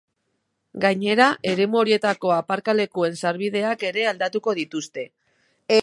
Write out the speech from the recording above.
Gainera, eremu horietako aparkalekuen sarbideak ere aldatuko dituzte.